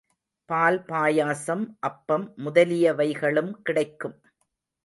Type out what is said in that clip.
பால் பாயசம், அப்பம் முதலியவைகளும் கிடைக்கும்.